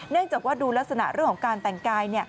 จากว่าดูลักษณะเรื่องของการแต่งกาย